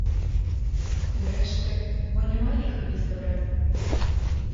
Зрэшты, мо няма ліха без дабра?